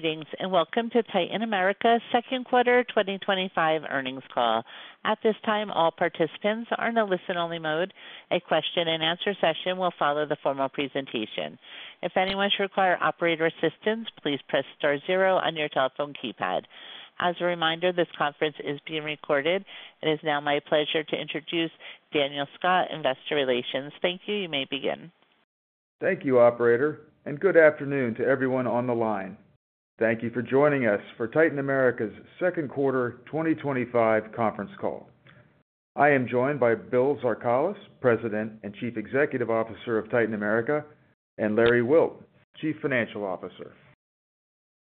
Greetings, and welcome to Titan America's Q2 2025 earnings call. At this time, all participants are in a listen-only mode. A question and answer session will follow the formal presentation. If anyone should require operator assistance, please press star zero on your telephone keypad. As a reminder, this conference is being recorded. It is now my pleasure to introduce Daniel Scott, Investor Relations. Thank you. You may begin. Thank you, operator, and good afternoon to everyone on the line. Thank you for joining us for Titan America's Q2 2025 conference call. I am joined by Bill Zarkalis, President and Chief Executive Officer of Titan America, and Larry Wilt, Chief Financial Officer.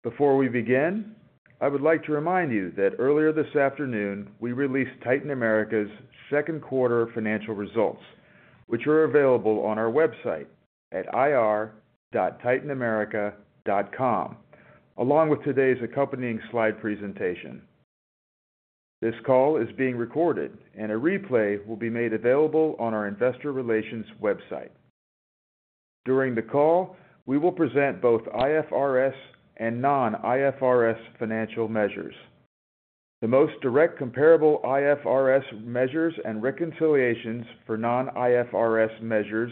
Before we begin, I would like to remind you that earlier this afternoon, we released Titan America's Q2 financial results, which are available on our website at ir.titanamerica.com, along with today's accompanying slide presentation. This call is being recorded, and a replay will be made available on our investor relations website. During the call, we will present both IFRS and non-IFRS financial measures. The most direct comparable IFRS measures and reconciliations for non-IFRS measures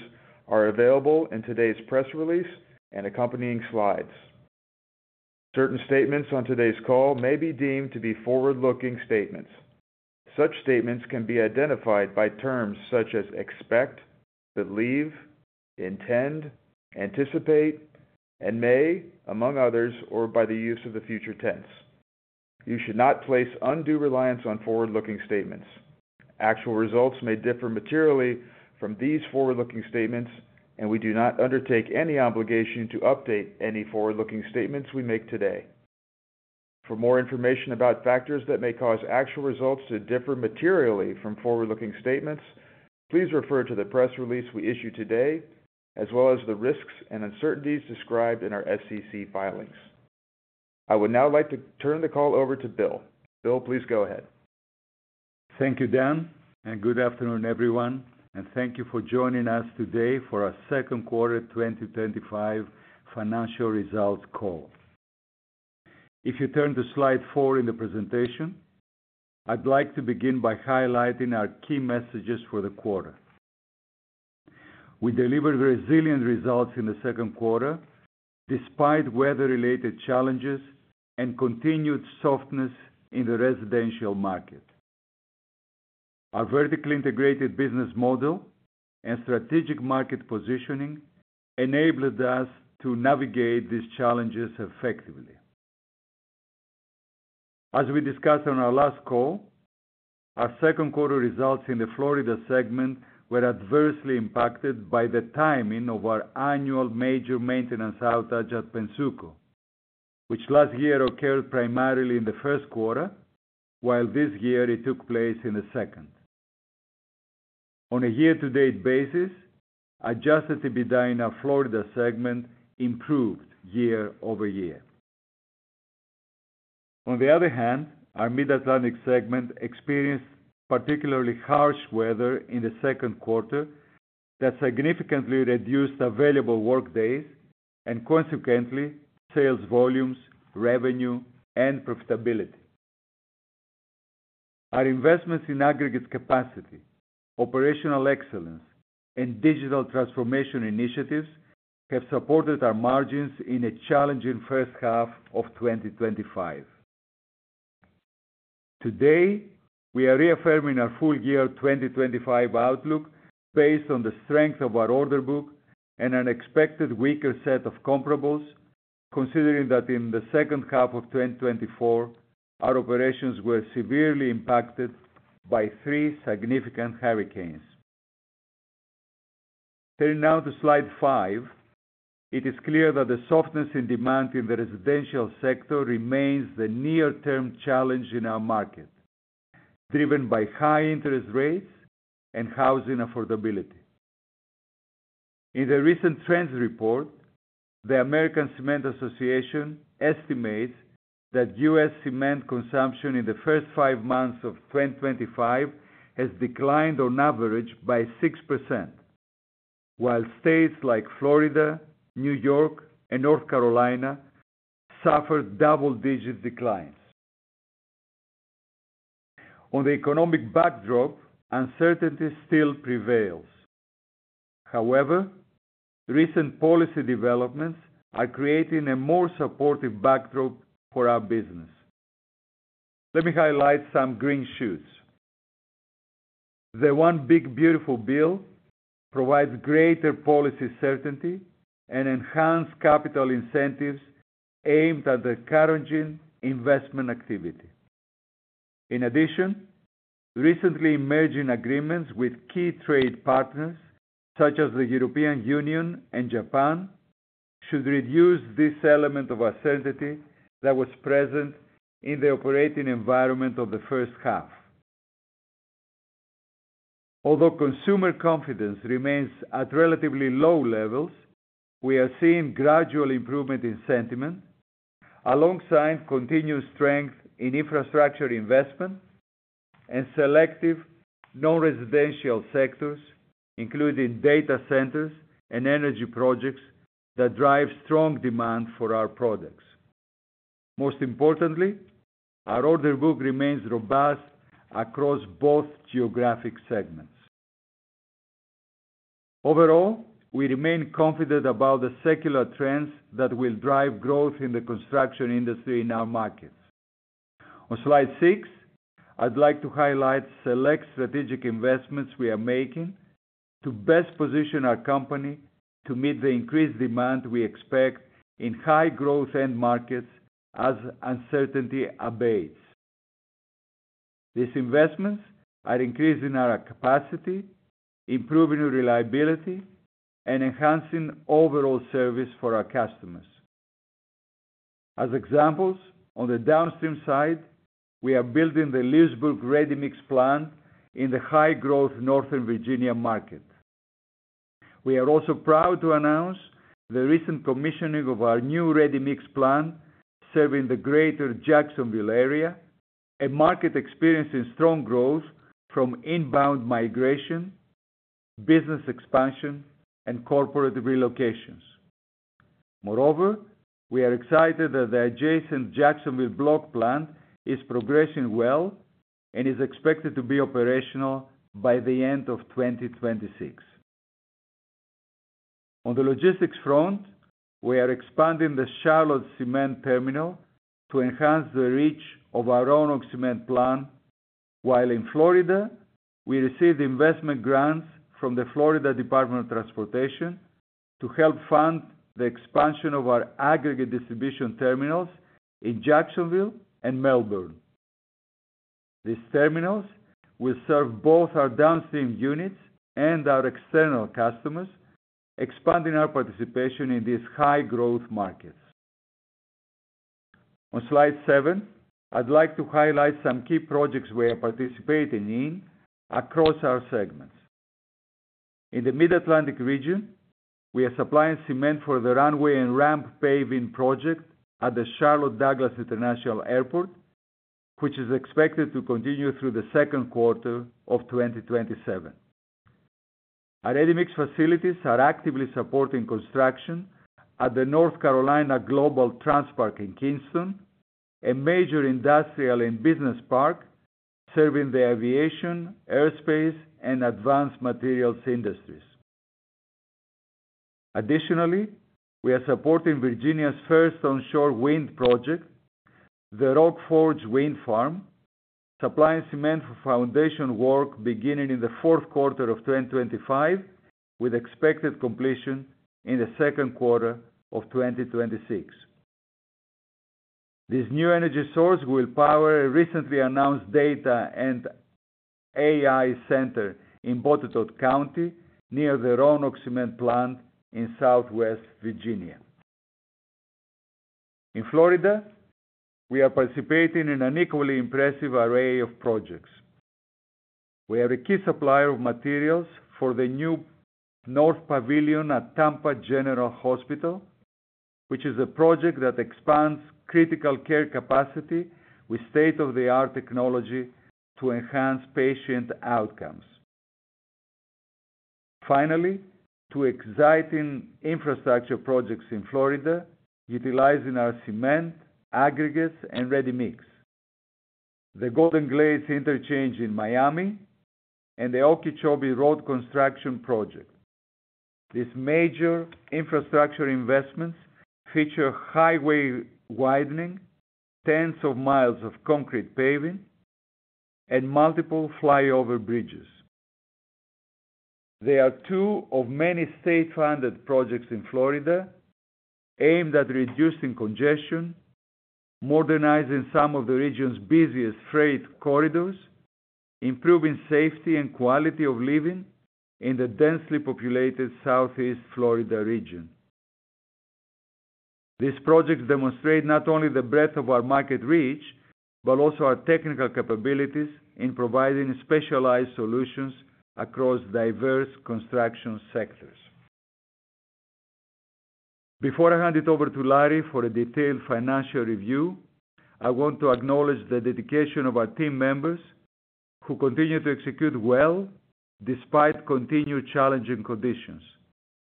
are available in today's press release and accompanying slides. Certain statements on today's call may be deemed to be forward-looking statements. Such statements can be identified by terms such as expect, believe, intend, anticipate, and may, among others, or by the use of the future tense. You should not place undue reliance on forward-looking statements. Actual results may differ materially from these forward-looking statements, and we do not undertake any obligation to update any forward-looking statements we make today. For more information about factors that may cause actual results to differ materially from forward-looking statements, please refer to the press release we issued today, as well as the risks and uncertainties described in our SEC filings. I would now like to turn the call over to Bill. Bill, please go ahead. Thank you, Dan, and good afternoon, everyone, and thank you for joining us today for our Q2 2025 financial results call. If you turn to slide four in the presentation, I'd like to begin by highlighting our key messages for the quarter. We delivered resilient results in the Q2 despite weather-related challenges and continued softness in the residential market. Our vertically integrated business model and strategic market positioning enabled us to navigate these challenges effectively. As we discussed on our last call, our Q2 results in the Florida segment were adversely impacted by the timing of our annual major maintenance outage at Pennsuco, which last year occurred primarily in the first quarter, while this year it took place in the second. On a year-to-date basis, Adjusted EBITDA in our Florida segment improved year-over-year. On the other hand, our Mid-Atlantic segment experienced particularly harsh weather in the Q2 that significantly reduced available workdays and, consequently, sales volumes, revenue, and profitability. Our investments in aggregates capacity, operational excellence, and digital transformation initiatives have supported our margins in a challenging first half of 2025. Today, we are reaffirming our full-year 2025 outlook based on the strength of our order book and an expected weaker set of comparables, considering that in the second half of 2024, our operations were severely impacted by three significant hurricanes. Turning now to slide five, it is clear that the softness in demand in the residential sector remains the near-term challenge in our market, driven by high interest rates and housing affordability. In the recent trends report, the American Cement Association estimates that U.S. cement consumption in the first five months of 2025 has declined on average by 6%, while states like Florida, New York, and North Carolina suffered double-digit declines. On the economic backdrop, uncertainty still prevails. However, recent policy developments are creating a more supportive backdrop for our business. Let me highlight some green shoots. The One Big Beautiful Bill provides greater policy certainty and enhanced capital incentives aimed at encouraging investment activity. In addition, recently emerging agreements with key trade partners, such as the European Union and Japan, should reduce this element of uncertainty that was present in the operating environment of the first half. Although consumer confidence remains at relatively low levels, we are seeing gradual improvement in sentiment, alongside continued strength in infrastructure investment and selective non-residential sectors, including data centers and energy projects that drive strong demand for our products. Most importantly, our order book remains robust across both geographic segments. Overall, we remain confident about the secular trends that will drive growth in the construction industry in our markets. On slide six, I'd like to highlight select strategic investments we are making to best position our company to meet the increased demand we expect in high-growth end markets as uncertainty abates. These investments are increasing our capacity, improving reliability, and enhancing overall service for our customers. As examples, on the downstream side, we are building the Leesburg ready-mix plant in the high-growth Northern Virginia market. We are also proud to announce the recent commissioning of our new ready-mix plant, serving the greater Jacksonville area, a market experiencing strong growth from inbound migration, business expansion, and corporate relocations. Moreover, we are excited that the adjacent Jacksonville Block Plant is progressing well and is expected to be operational by the end of 2026. On the logistics front, we are expanding the Charlotte Cement Terminal to enhance the reach of our Roanoke Cement Plant, while in Florida, we received investment grants from the Florida Department of Transportation to help fund the expansion of our aggregate distribution terminals in Jacksonville and Melbourne. These terminals will serve both our downstream units and our external customers, expanding our participation in these high-growth markets. On slide seven, I'd like to highlight some key projects we are participating in across our segments. In the Mid-Atlantic region, we are supplying cement for the runway and ramp paving project at the Charlotte Douglas International Airport, which is expected to continue through the Q2 of 2027. Our ready-mix facilities are actively supporting construction at the North Carolina Global TranSPark in Kingston, a major industrial and business park serving the aviation, aerospace, and advanced materials industries. Additionally, we are supporting Virginia's first onshore wind project, the Rock Forge Wind Farm, supplying cement for foundation work beginning in the Q4 of 2025, with expected completion in the Q2 of 2026. This new energy source will power a recently announced data and AI center in Botetourt County near the Roanoke Cement Plant in Southwest Virginia. In Florida, we are participating in an equally impressive array of projects. We are a key supplier of materials for the new North Pavilion at Tampa General Hospital, which is a project that expands critical care capacity with state-of-the-art technology to enhance patient outcomes. Finally, two exciting infrastructure projects in Florida utilizing our cement, aggregates, and ready-mix concrete: the Golden Glades Interchange in Miami and the Okeechobee Road Construction Project. These major infrastructure investments feature highway widening, tens of miles of concrete paving, and multiple flyover bridges. They are two of many state-funded projects in Florida aimed at reducing congestion, modernizing some of the region's busiest freight corridors, and improving safety and quality of living in the densely populated Southeast Florida region. These projects demonstrate not only the breadth of our market reach but also our technical capabilities in providing specialized solutions across diverse construction sectors. Before I hand it over to Larry for a detailed financial review, I want to acknowledge the dedication of our team members, who continue to execute well despite continued challenging conditions.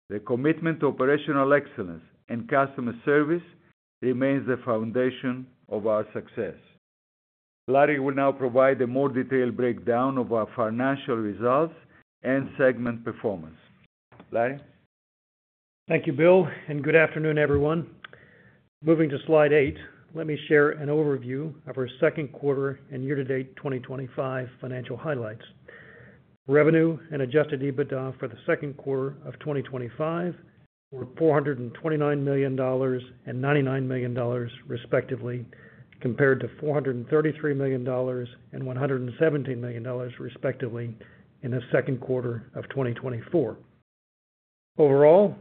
Their commitment to operational excellence and customer service remains the foundation of our success. Larry will now provide a more detailed breakdown of our financial results and segment performance. Larry. Thank you, Bill, and good afternoon, everyone. Moving to slide eight, let me share an overview of our Q2 and year-to-date 2025 financial highlights. Revenue and Adjusted EBITDA for the Q2 of 2025 were $429 million and $99 million, respectively, compared to $433 million and $117 million, respectively, in the Q2 of 2024. Overall,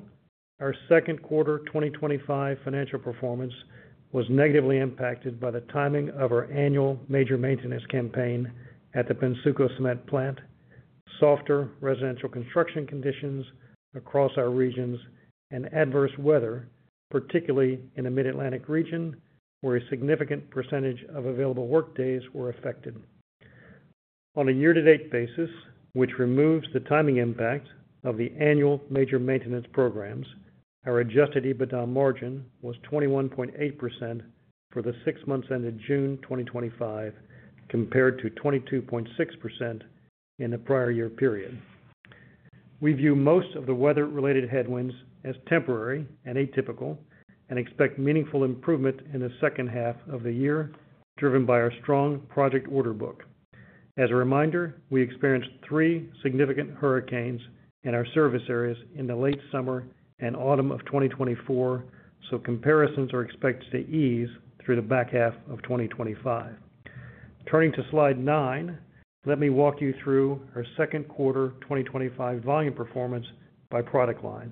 our Q2 2025 financial performance was negatively impacted by the timing of our annual major maintenance campaign at the Pennsuco Cement Plant, softer residential construction conditions across our regions, and adverse weather, particularly in the Mid-Atlantic region, where a significant percentage of available workdays were affected. On a year-to-date basis, which removes the timing impact of the annual major maintenance programs, our Adjusted EBITDA margin was 21.8% for the six months ended June 2025, compared to 22.6% in the prior year period. We view most of the weather-related headwinds as temporary and atypical and expect meaningful improvement in the second half of the year, driven by our strong project order book. As a reminder, we experienced three significant hurricanes in our service areas in the late summer and autumn of 2024, so comparisons are expected to ease through the back half of 2025. Turning to slide nine, let me walk you through our Q2 2025 volume performance by product line.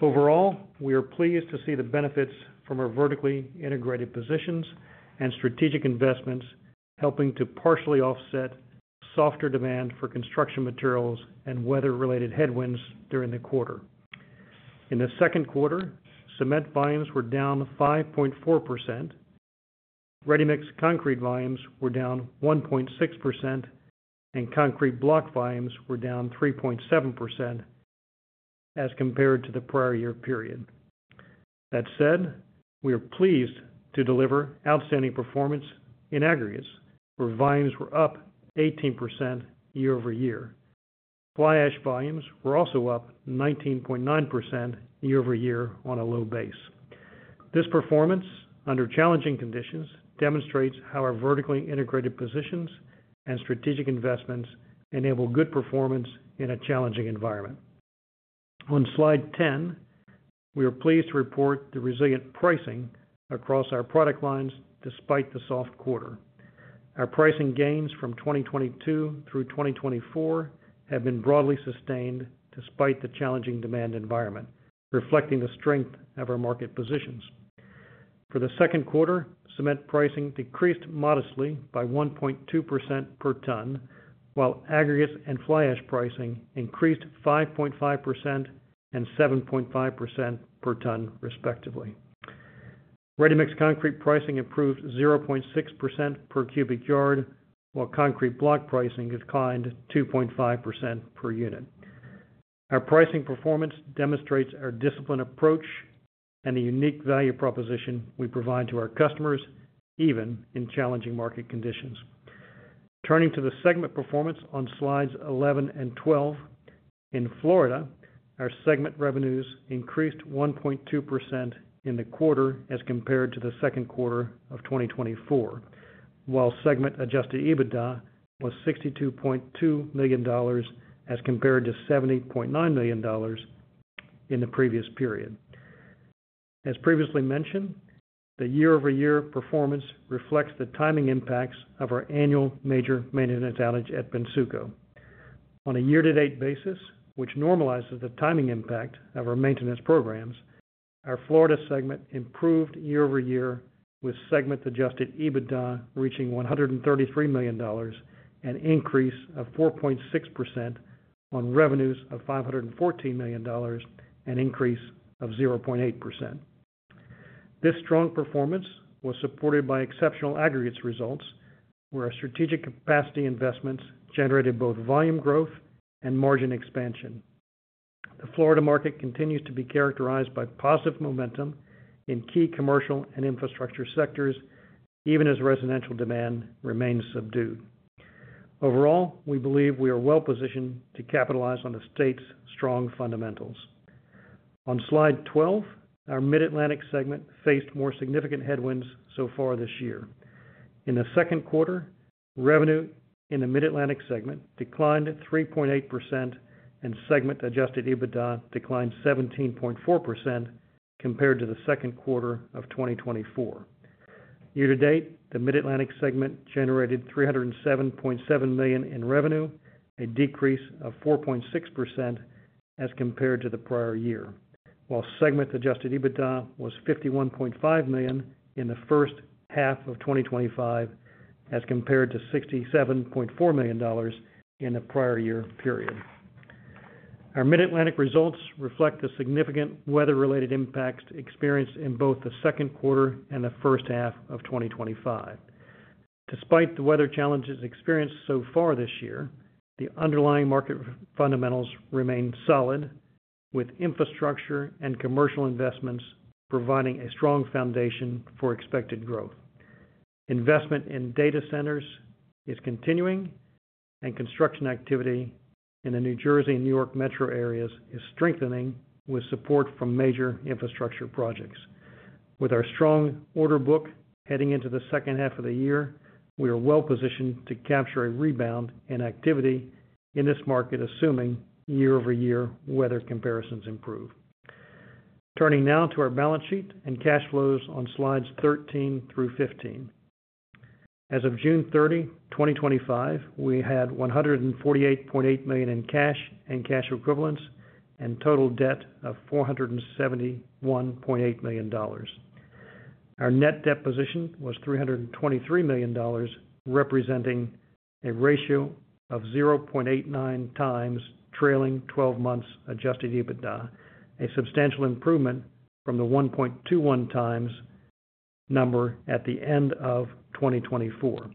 Overall, we are pleased to see the benefits from our vertically integrated positions and strategic investments helping to partially offset softer demand for construction materials and weather-related headwinds during the quarter. In the Q2, cement volumes were down 5.4%, ready-mix concrete volumes were down 1.6%, and concrete block volumes were down 3.7% as compared to the prior year period. That said, we are pleased to deliver outstanding performance in aggregates, where volumes were up 18% year-over-year. Fly ash volumes were also up 19.9% year-over-year on a low base. This performance under challenging conditions demonstrates how our vertically integrated positions and strategic investments enable good performance in a challenging environment. On slide 10, we are pleased to report the resilient pricing across our product lines despite the soft quarter. Our pricing gains from 2022 through 2024 have been broadly sustained despite the challenging demand environment, reflecting the strength of our market positions. For the Q2, cement pricing decreased modestly by 1.2% per ton, while aggregates and fly ash pricing increased 5.5% and 7.5% per ton, respectively. Ready-mix concrete pricing improved 0.6% per cubic yard, while concrete block pricing declined 2.5% per unit. Our pricing performance demonstrates our disciplined approach and the unique value proposition we provide to our customers, even in challenging market conditions. Turning to the segment performance on slides 11 and 12, in Florida, our segment revenues increased 1.2% in the quarter as compared to the Q2 of 2024, while segment Adjusted EBITDA was $62.2 million as compared to $70.9 million in the previous period. As previously mentioned, the year-over-year performance reflects the timing impacts of our annual major maintenance outage at Pennsuco. On a year-to-date basis, which normalizes the timing impact of our maintenance programs, our Florida segment improved year-over-year with segment-Adjusted EBITDA reaching $133 million, an increase of 4.6% on revenues of $514 million, an increase of 0.8%. This strong performance was supported by exceptional aggregates results, where our strategic capacity investments generated both volume growth and margin expansion. The Florida market continues to be characterized by positive momentum in key commercial and infrastructure sectors, even as residential demand remains subdued. Overall, we believe we are well positioned to capitalize on the state's strong fundamentals. On slide 12, our Mid-Atlantic segment faced more significant headwinds so far this year. In the Q2, revenue in the Mid-Atlantic segment declined 3.8%, and segment-Adjusted EBITDA declined 17.4% compared to the Q2 of 2024. Year to date, the Mid-Atlantic segment generated $307.7 million in revenue, a decrease of 4.6% as compared to the prior year, while segment-Adjusted EBITDA was $51.5 million in the first half of 2025 as compared to $67.4 million in the prior year period. Our Mid-Atlantic results reflect the significant weather-related impacts experienced in both the Q2 and the first half of 2025. Despite the weather challenges experienced so far this year, the underlying market fundamentals remain solid, with infrastructure and commercial investments providing a strong foundation for expected growth. Investment in data centers is continuing, and construction activity in the New Jersey and New York metro areas is strengthening with support from major infrastructure projects. With our strong order book heading into the second half of the year, we are well positioned to capture a rebound in activity in this market, assuming year-over-year weather comparisons improve. Turning now to our balance sheet and cash flows on slides 13 through 15. As of June 30, 2025, we had $148.8 million in cash and cash equivalents and a total debt of $471.8 million. Our net debt position was $323 million, representing a ratio of 0.89 times trailing 12 months Adjusted EBITDA, a substantial improvement from the 1.21x number at the end of 2024.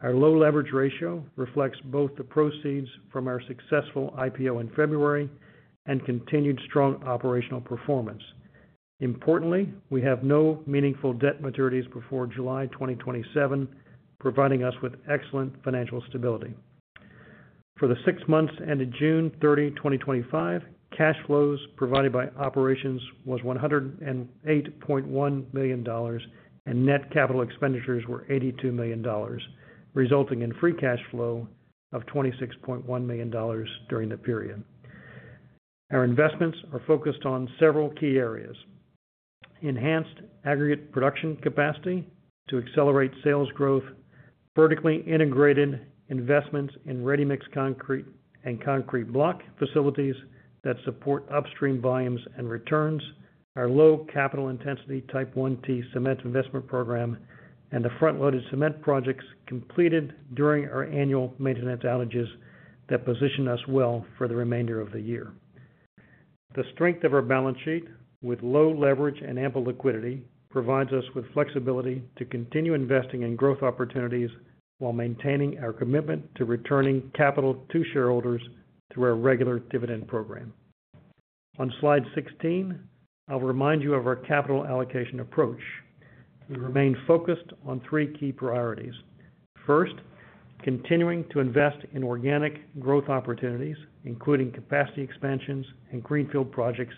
Our low leverage ratio reflects both the proceeds from our successful IPO in February and continued strong operational performance. Importantly, we have no meaningful debt maturities before July 2027, providing us with excellent financial stability. For the six months ended June 30, 2025, cash flows provided by operations were $108.1 million, and net capital expenditures were $82 million, resulting in free cash flow of $26.1 million during the period. Our investments are focused on several key areas: enhanced aggregate production capacity to accelerate sales growth, vertically integrated investments in ready-mix concrete and concrete block facilities that support upstream volumes and returns, our low capital intensity Type 1T cement investment program, and the front-loaded cement projects completed during our annual maintenance outages that position us well for the remainder of the year. The strength of our balance sheet, with low leverage and ample liquidity, provides us with flexibility to continue investing in growth opportunities while maintaining our commitment to returning capital to shareholders through our regular dividend program. On slide 16, I'll remind you of our capital allocation approach. We remain focused on three key priorities. First, continuing to invest in organic growth opportunities, including capacity expansions and greenfield projects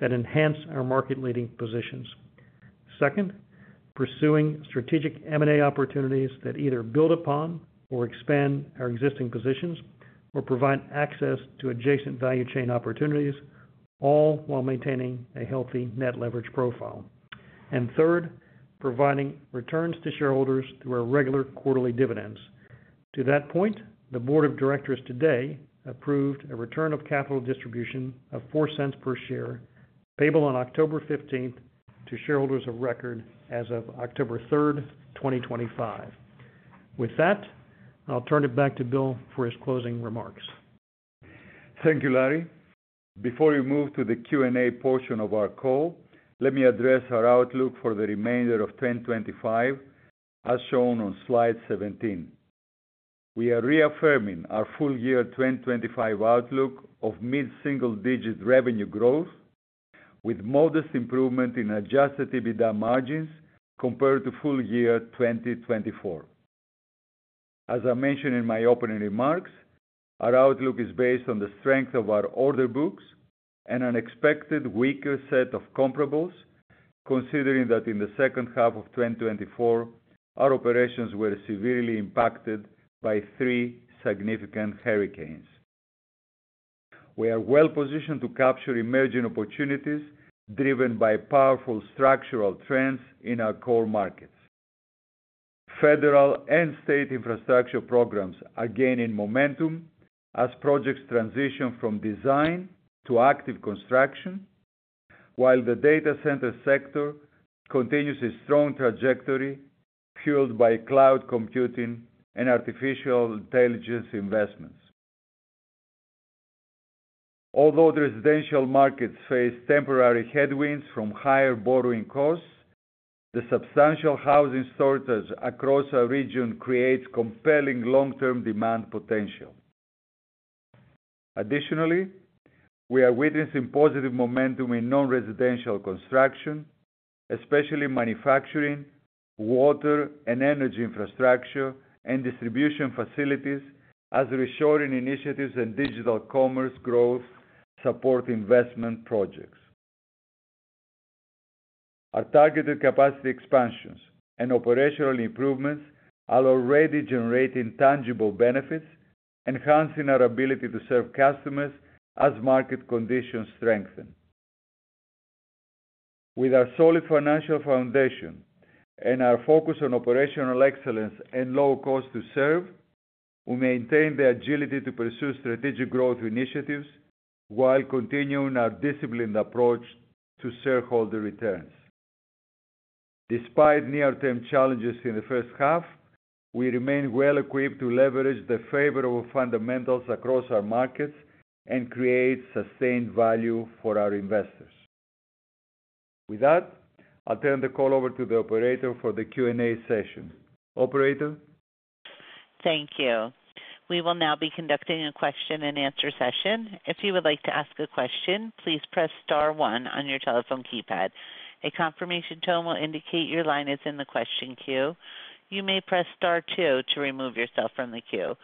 that enhance our market-leading positions. Second, pursuing strategic M&A opportunities that either build upon or expand our existing positions or provide access to adjacent value chain opportunities, all while maintaining a healthy net leverage profile. Third, providing returns to shareholders through our regular quarterly dividends. To that point, the Board of Directors today approved a return of capital distribution of $0.04 per share, payable on October 15 to shareholders of record as of October 3, 2025. With that, I'll turn it back to Bill for his closing remarks. Thank you, Larry. Before we move to the Q&A portion of our call, let me address our outlook for the remainder of 2025, as shown on slide 17. We are reaffirming our full-year 2025 outlook of mid-single-digit revenue growth, with modest improvement in Adjusted EBITDA margins compared to full-year 2024. As I mentioned in my opening remarks, our outlook is based on the strength of our order books and an expected weaker set of comparables, considering that in the second half of 2024, our operations were severely impacted by three significant hurricanes. We are well positioned to capture emerging opportunities driven by powerful structural trends in our core markets. Federal and state infrastructure programs are gaining momentum as projects transition from design to active construction, while the data center sector continues a strong trajectory, fueled by cloud computing and artificial intelligence investments. Although the residential markets face temporary headwinds from higher borrowing costs, the substantial housing shortage across our region creates compelling long-term demand potential. Additionally, we are witnessing positive momentum in non-residential construction, especially manufacturing, water, and energy infrastructure, and distribution facilities, as reshoring initiatives and digital commerce growth support investment projects. Our targeted capacity expansions and operational improvements are already generating tangible benefits, enhancing our ability to serve customers as market conditions strengthen. With our solid financial foundation and our focus on operational excellence and low cost to serve, we maintain the agility to pursue strategic growth initiatives while continuing our disciplined approach to shareholder returns. Despite near-term challenges in the first half, we remain well-equipped to leverage the favorable fundamentals across our markets and create sustained value for our investors. With that, I'll turn the call over to the operator for the Q&A session. Operator. Thank you. We will now be conducting a question and answer session. If you would like to ask a question, please press star one on your telephone keypad. A confirmation tone will indicate your line is in the question queue. You may press star two to remove yourself from the queue.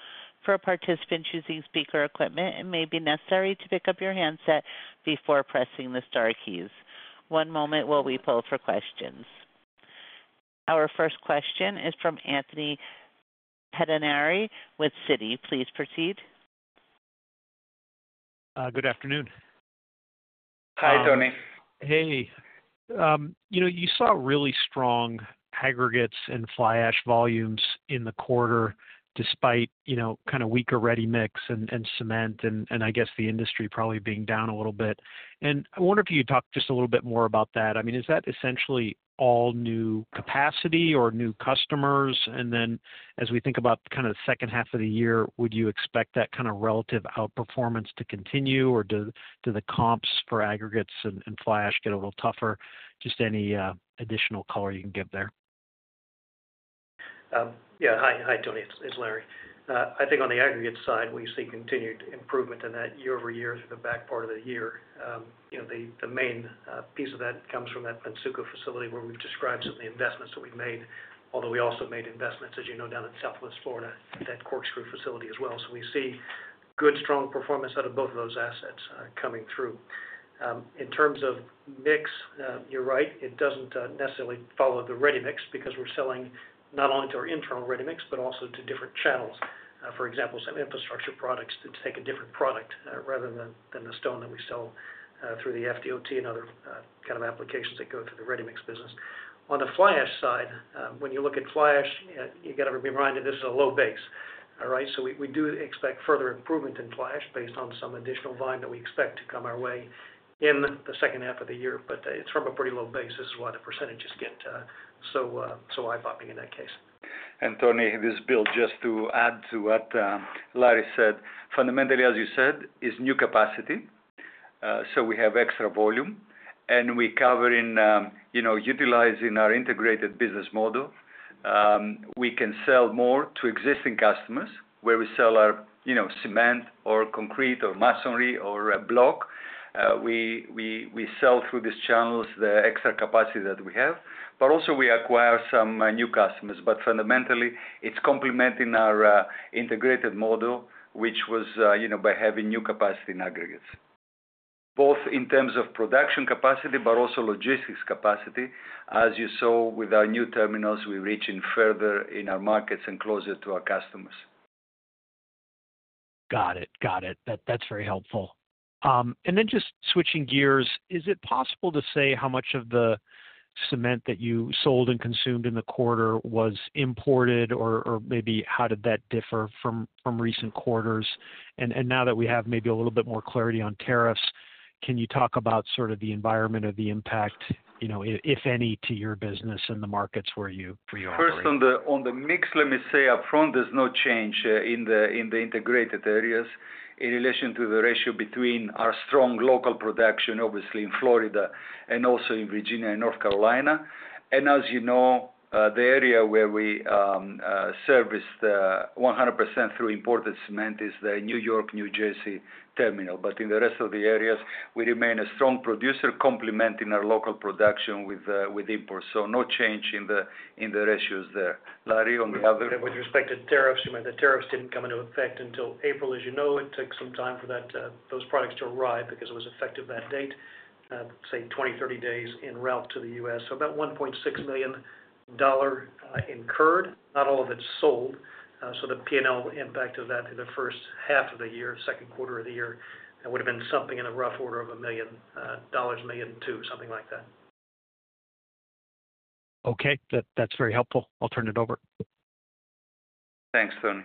For participants using speaker equipment, it may be necessary to pick up your handset before pressing the star keys. One moment while we pull for questions. Our first question is from Anthony Pettinari with Citi. Please proceed. Good afternoon. Hi, Tony. You saw really strong aggregates and fly ash volumes in the quarter despite kind of weaker ready-mix and cement, and I guess the industry probably being down a little bit. I wonder if you could talk just a little bit more about that. I mean, is that essentially all new capacity or new customers? As we think about kind of the second half of the year, would you expect that kind of relative outperformance to continue, or do the comps for aggregates and fly ash get a little tougher? Just any additional color you can give there? Yeah. Hi, Tony. It's Larry. I think on the aggregates side, we see continued improvement in that year-over-year through the back part of the year. The main piece of that comes from that Pennsuco facility where we've described some of the investments that we've made, although we also made investments, as you know, down in Southwest Florida at that Corkscrew facility as well. We see good, strong performance out of both of those assets coming through. In terms of mix, you're right. It doesn't necessarily follow the ready-mix because we're selling not only to our internal ready-mix but also to different channels. For example, some infrastructure products take a different product rather than the stone that we sell through the FDOT and other kinds of applications that go through the ready-mix business. On the fly ash side, when you look at fly ash, you got to be reminded this is a low base, all right? We do expect further improvement in fly ash based on some additional volume that we expect to come our way in the second half of the year, but it's from a pretty low base. This is why the percentages get so eye-popping in that case. Tony, this is Bill, just to add to what Larry said. Fundamentally, as you said, it's new capacity. We have extra volume, and we're covering, you know, utilizing our integrated business model. We can sell more to existing customers where we sell our, you know, cement or concrete or masonry or a block. We sell through these channels the extra capacity that we have. We acquire some new customers. Fundamentally, it's complementing our integrated model, which was, you know, by having new capacity in aggregates, both in terms of production capacity and also logistics capacity. As you saw with our new terminals, we're reaching further in our markets and closer to our customers. Got it. That's very helpful. Just switching gears, is it possible to say how much of the cement that you sold and consumed in the quarter was imported, or maybe how did that differ from recent quarters? Now that we have maybe a little bit more clarity on tariffs, can you talk about sort of the environment or the impact, if any, to your business and the markets where you are? First, on the mix, let me say upfront, there's no change in the integrated areas in relation to the ratio between our strong local production, obviously, in Florida and also in Virginia and North Carolina. As you know, the area where we service 100% through imported cement is the New York, New Jersey terminal. In the rest of the areas, we remain a strong producer, complementing our local production with imports. No change in the ratios there. Larry, on the other. With respect to tariffs, you meant the tariffs didn't come into effect until April. As you know, it took some time for those products to arrive because it was effective that date, say, 20, 30 days en route to the U.S. About $1.6 million incurred, not all of it sold. The P&L impact of that through the first half of the year, Q2 of the year, would have been something in the rough order of $1 million, $1.2 million, something like that. Okay, that's very helpful. I'll turn it over. Thanks, Tony.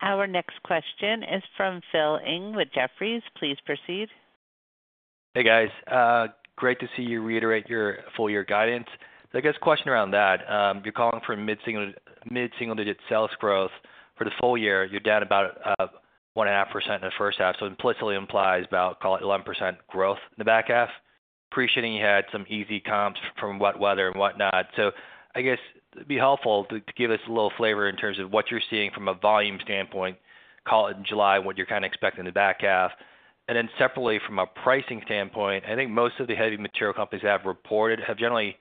Our next question is from Phil Ng with Jefferies. Please proceed. Hey, guys. Great to see you reiterate your full-year guidance. I guess a question around that. You're calling for mid-single-digit sales growth for the full year. You're down about 1.5% in the first half. It implicitly implies about, call it, 11% growth in the back half, appreciating you had some easy comps from wet weather and whatnot. It'd be helpful to give us a little flavor in terms of what you're seeing from a volume standpoint, call it in July, and what you're kind of expecting in the back half. Separately, from a pricing standpoint, I think most of the heavy material companies that have reported have generally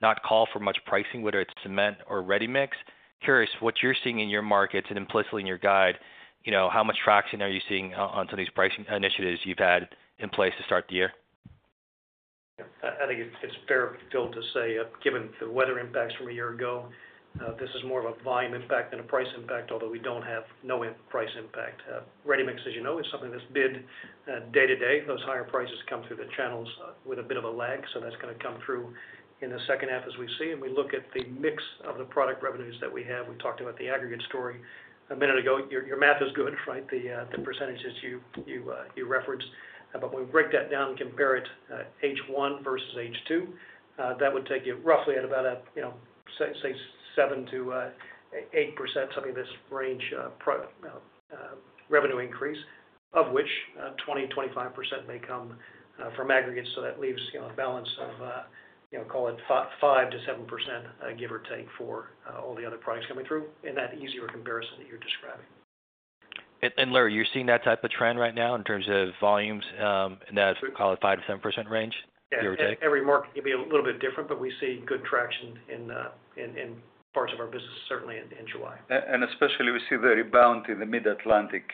not called for much pricing, whether it's cement or ready-mix. Curious what you're seeing in your markets and implicitly in your guide, you know, how much traction are you seeing on some of these pricing initiatives you've had in place to start the year? I think it's fair of Bill to say, given the weather impacts from a year ago, this is more of a volume impact than a price impact, although we don't have no price impact. Ready-mix, as you know, is something that's bid day-to-day. Those higher prices come through the channels with a bit of a lag. That's going to come through in the second half as we see. We look at the mix of the product revenues that we have. We talked about the aggregates story a minute ago. Your math is good, right? The percentages you referenced. When we break that down and compare it H1 versus H2, that would take you roughly at about a, you know, say, 7%-8% revenue increase, of which 20%-25% may come from aggregates. That leaves a balance of, you know, call it 5%-7%, give or take, for all the other products coming through in that easier comparison that you're describing. Larry, you're seeing that type of trend right now in terms of volumes in that, call it, 5%-7% range, give or take? Every market can be a little bit different, but we see good traction in parts of our business, certainly in July. We see the rebound in the Mid-Atlantic,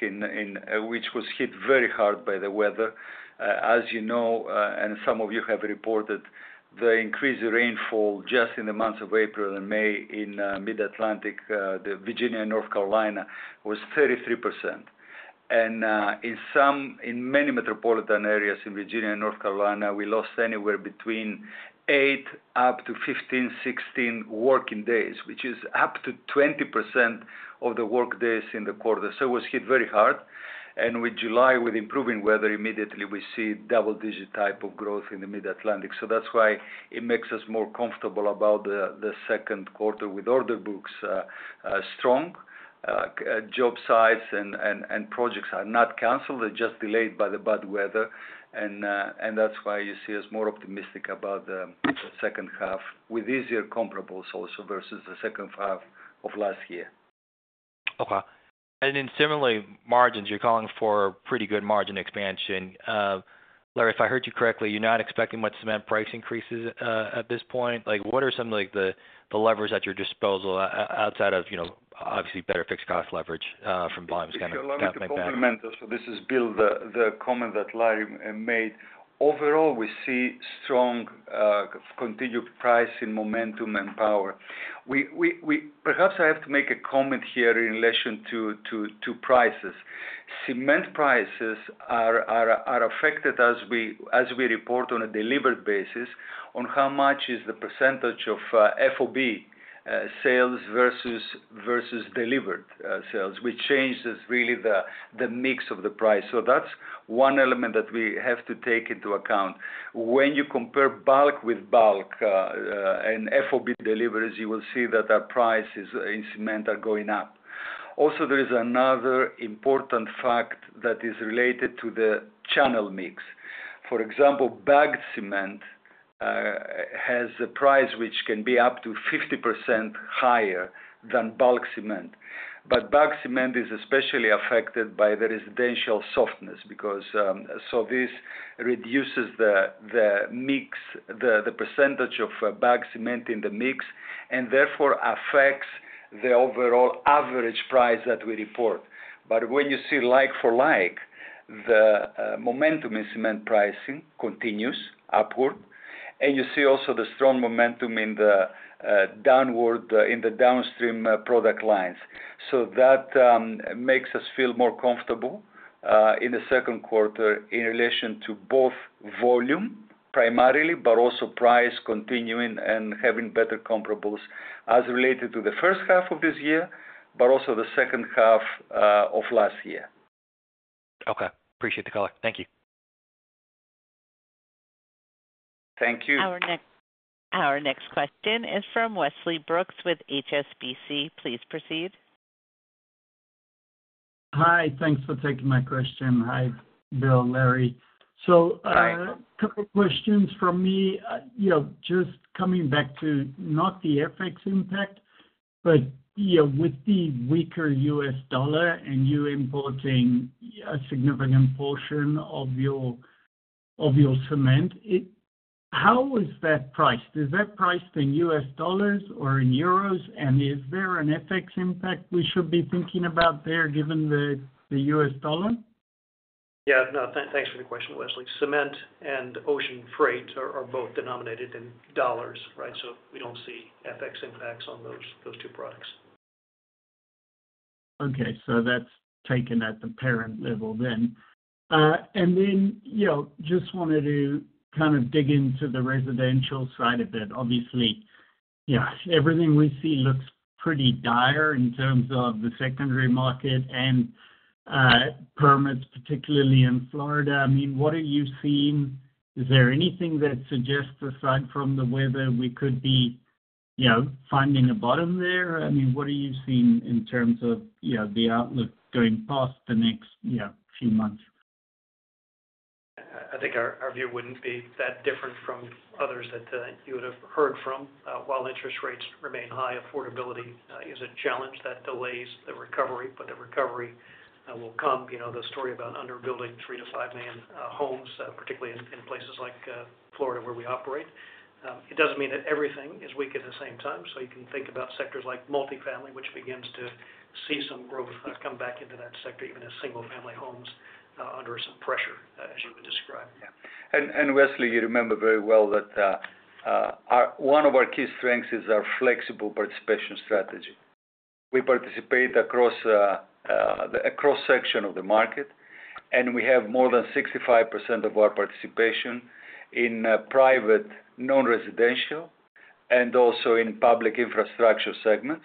which was hit very hard by the weather. As you know, and some of you have reported, the increased rainfall just in the months of April and May in the Mid-Atlantic, Virginia, and North Carolina was 33%. In many metropolitan areas in Virginia and North Carolina, we lost anywhere between 8 up to 15, 16 working days, which is up to 20% of the workdays in the quarter. It was hit very hard. With July, with improving weather, we immediately see double-digit type of growth in the Mid-Atlantic. That makes us more comfortable about the Q2 with order books strong. Job sites and projects are not canceled. They're just delayed by the bad weather. That is why you see us more optimistic about the second half with easier comparables also versus the second half of last year. Okay. Similarly, margins, you're calling for pretty good margin expansion. Larry, if I heard you correctly, you're not expecting much cement price increases at this point. What are some of the levers at your disposal outside of, you know, obviously, better fixed cost leverage from buying this kind of. This is Bill, the comment that Larry made. Overall, we see strong continued pricing momentum and power. Perhaps I have to make a comment here in relation to prices. Cement prices are affected as we report on a delivered basis on how much is the percentage of FOB sales versus delivered sales, which changes really the mix of the price. That's one element that we have to take into account. When you compare bulk with bulk and FOB deliveries, you will see that our prices in cement are going up. Also, there is another important fact that is related to the channel mix. For example, bagged cement has a price which can be up to 50% higher than bulk cement. Bulk cement is especially affected by the residential softness because this reduces the mix, the percentage of bagged cement in the mix, and therefore affects the overall average price that we report. When you see like for like, the momentum in cement pricing continues upward. You see also the strong momentum in the downstream product lines. That makes us feel more comfortable in the Q2 in relation to both volume primarily, but also price continuing and having better comparables as related to the first half of this year, but also the second half of last year. Okay. Appreciate the color. Thank you. Thank you. Our next question is from Wesley Brooks with HSBC. Please proceed. Hi. Thanks for taking my question. Hi, Bill, Larry. Hi, Larry. A couple of questions from me. Just coming back to not the FX impact, but with the weaker U.S. dollar and you importing a significant portion of your cement, how is that priced? Is that priced in U.S. $ or in EUR? Is there an FX impact we should be thinking about there given the U.S. $? Yeah. No, thanks for the question, Wesley. Cement and ocean freight are both denominated in dollars, right? We don't see FX impacts on those two products. Okay. That's taken at the parent level then. I just wanted to kind of dig into the residential side of it. Obviously, everything we see looks pretty dire in terms of the secondary market and permits, particularly in Florida. I mean, what are you seeing? Is there anything that suggests, aside from the weather, we could be finding a bottom there? I mean, what are you seeing in terms of the outlook going past the next few months? I think our view wouldn't be that different from others that you would have heard from. While interest rates remain high, affordability is a challenge that delays the recovery, but the recovery will come. You know the story about underbuilding 3million-5 million homes, particularly in places like Florida where we operate. It doesn't mean that everything is weak at the same time. You can think about sectors like multifamily, which begins to see some growth come back into that sector, even as single-family homes are under some pressure, as you would describe. Yeah. Wesley, you remember very well that one of our key strengths is our flexible participation strategy. We participate across a cross-section of the market, and we have more than 65% of our participation in private non-residential and also in public infrastructure segments.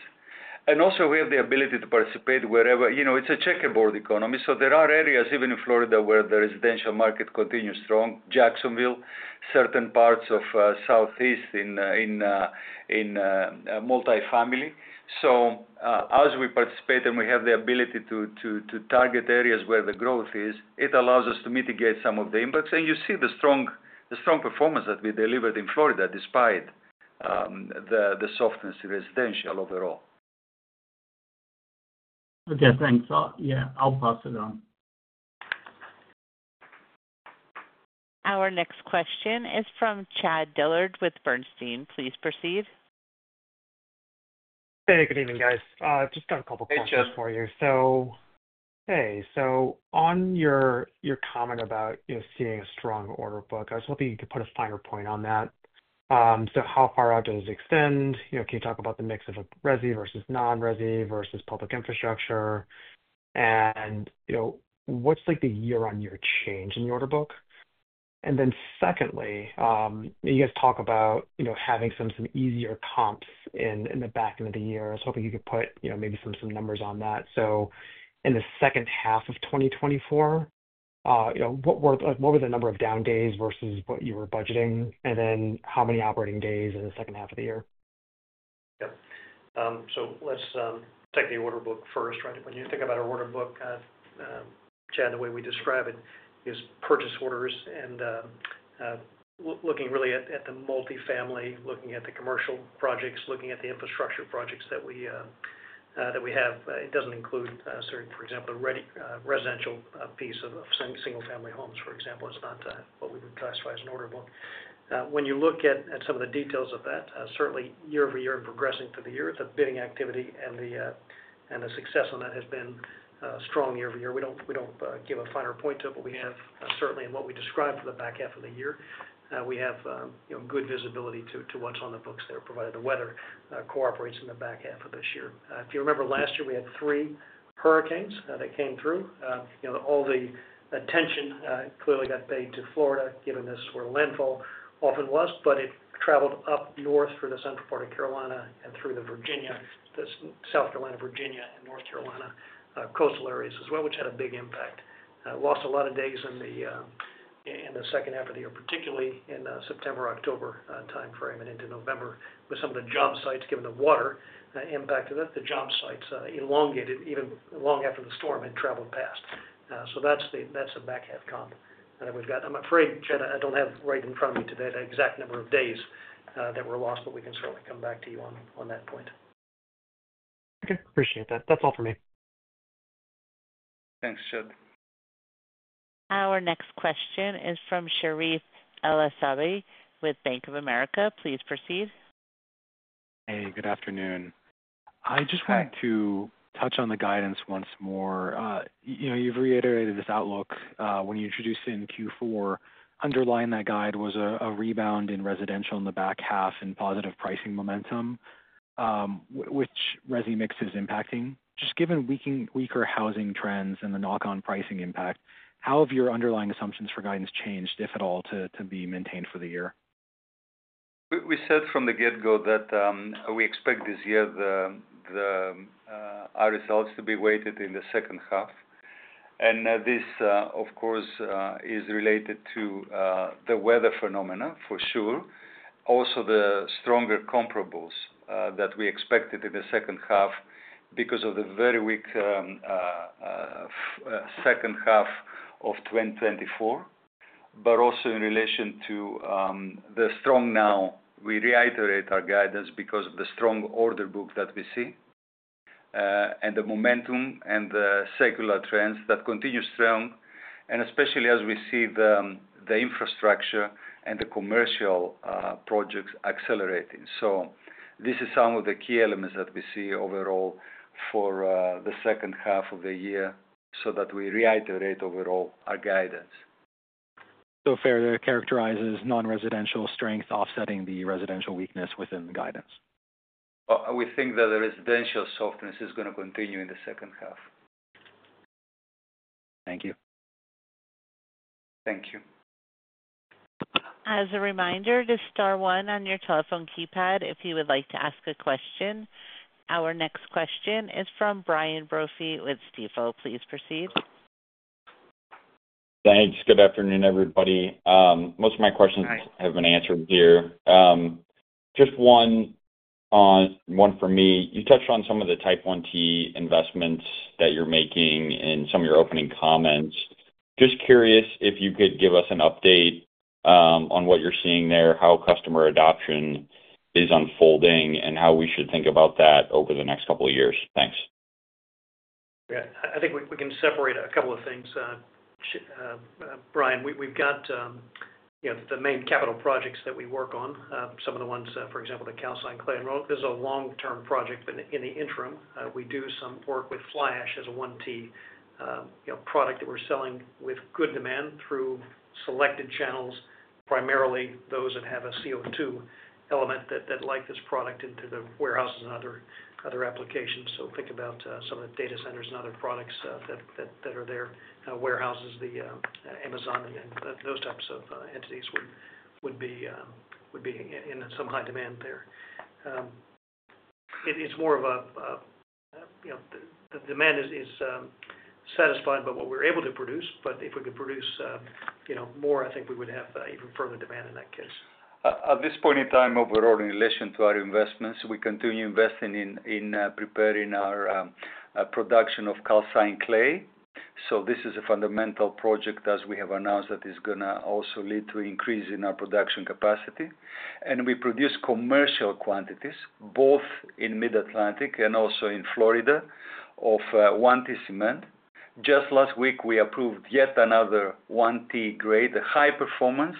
We have the ability to participate wherever, you know, it's a checkerboard economy. There are areas, even in Florida, where the residential market continues strong. Jacksonville, certain parts of Southeast in multifamily. As we participate and we have the ability to target areas where the growth is, it allows us to mitigate some of the impacts. You see the strong performance that we delivered in Florida despite the softness in residential overall. Okay, thanks. Yeah, I'll pass it on. Our next question is from Chad Dillard with Bernstein. Please proceed. Hey, good evening, guys. Hey Chad. Just got a couple of questions for you. On your comment about seeing a strong order book, I was hoping you could put a finer point on that. How far out does this extend? Can you talk about the mix of resi versus non-resi versus public infrastructure? What's the year-on-year change in the order book? Secondly, you guys talk about having some easier comps in the back end of the year. I was hoping you could put maybe some numbers on that. In the second half of 2024, what were the number of down days versus what you were budgeting? How many operating days in the second half of the year? Let's check the order book first, right? When you think about our order book, Chad, the way we describe it is purchase orders and looking really at the multifamily, looking at the commercial projects, looking at the infrastructure projects that we have. It doesn't include, for example, the ready residential piece of single-family homes, for example. It's not what we would classify as an order book. When you look at some of the details of that, certainly, year-over-year and progressing through the year, the bidding activity and the success on that has been strong year-over-year. We don't give a finer point to it, but we have, in what we described for the back half of the year, good visibility to what's on the books there, provided the weather cooperates in the back half of this year. If you remember last year, we had three hurricanes that came through. All the attention clearly got paid to Florida, given this is where the landfall often was, but it traveled up north through the central part of Carolina and through the South Carolina, Virginia, and North Carolina coastal areas as well, which had a big impact. Lost a lot of days in the second half of the year, particularly in the September-October timeframe and into November, with some of the job sites, given the water impact of this, the job sites elongated even long after the storm had traveled past. That's the back half comp that we've got. I'm afraid, Chad, I don't have right in front of me today the exact number of days that were lost, but we can certainly come back to you on that point. Okay. Appreciate that. That's all for me. Thanks, Chad. Our next question is from [Sharif El-Assabi] with Bank of America. Please proceed. Hey, good afternoon. Hi I just wanted to touch on the guidance once more. You've reiterated this outlook. When you introduced it in Q4, underlying that guide was a rebound in residential in the back half and positive pricing momentum, which resi mix is impacting. Just given weaker housing trends and the knock-on pricing impact, how have your underlying assumptions for guidance changed, if at all, to be maintained for the year? We said from the get-go that we expect this year our results to be weighted in the second half. This, of course, is related to the weather phenomena, for sure. Also, the stronger comparables that we expected in the second half because of the very weak second half of 2023. Also, in relation to the strong now, we reiterate our guidance because of the strong order book that we see and the momentum and the secular trends that continue strong, especially as we see the infrastructure and the commercial projects accelerating. These are some of the key elements that we see overall for the second half of the year, and we reiterate overall our guidance. it fair to characterize as non-residential strength offsetting the residential weakness within the guidance? We think that the residential softness is going to continue in the second half. Thank you. Thank you. As a reminder, just star one on your telephone keypad if you would like to ask a question. Our next question is from Brian Brophy with Stifel. Please proceed. Thanks. Good afternoon, everybody. Most of my questions have been answered here. Just one on one for me. You touched on some of the Type 1T investments that you're making in some of your opening comments. Just curious if you could give us an update on what you're seeing there, how customer adoption is unfolding, and how we should think about that over the next couple of years. Thanks. Yeah. I think we can separate a couple of things, Brian. We've got the main capital projects that we work on, some of the ones, for example, the calcined clay ad roll. There's a long-term project, but in the interim, we do some work with fly ash as a Type 1T product that we're selling with good demand through selected channels, primarily those that have a CO2 element that like this product into the warehouses and other applications. Think about some of the data centers and other products that are there, warehouses, the Amazon, and those types of entities would be in some high demand there. It's more of a, you know, the demand is satisfied by what we're able to produce. If we could produce more, I think we would have even further demand in that case. At this point in time, overall, in relation to our investments, we continue investing in preparing our production of calcined clay. This is a fundamental project, as we have announced, that is going to also lead to an increase in our production capacity. We produce commercial quantities, both in the Mid-Atlantic and also in Florida, of Type 1T cement. Just last week, we approved yet another 1T grade, a high-performance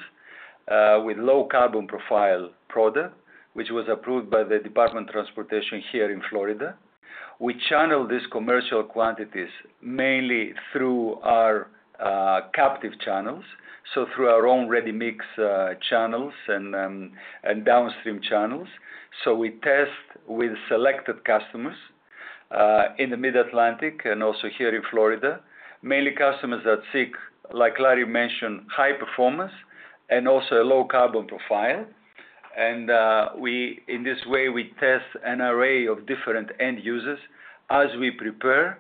with low-carbon profile product, which was approved by the Department of Transportation here in Florida. We channel these commercial quantities mainly through our captive channels, through our own ready-mix channels and downstream channels. We test with selected customers in the Mid-Atlantic and also here in Florida, mainly customers that seek, like Larry mentioned, high performance and also a low-carbon profile. In this way, we test an array of different end users as we prepare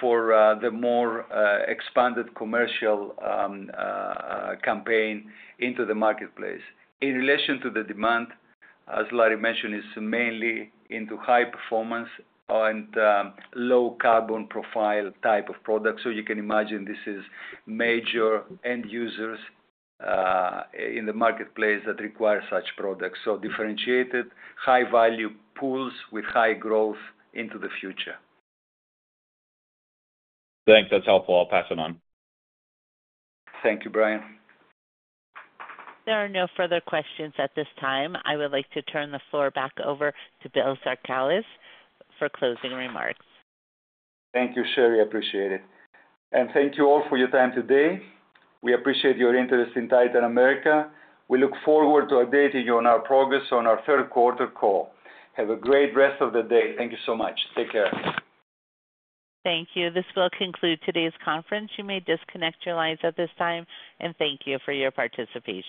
for the more expanded commercial campaign into the marketplace. In relation to the demand, as Larry mentioned, it's mainly into high-performance and low-carbon profile type of products. You can imagine this is major end users in the marketplace that require such products. Differentiated, high-value pools with high growth into the future. Thanks. That's helpful. I'll pass it on. Thank you, Brian. There are no further questions at this time. I would like to turn the floor back over to Bill Zarkalis for closing remarks. Thank you, Sherry. I appreciate it. Thank you all for your time today. We appreciate your interest in Titan America. We look forward to updating you on our progress on our Q3 call. Have a great rest of the day. Thank you so much. Take care. Thank you. This will conclude today's conference. You may disconnect your lines at this time, and thank you for your participation.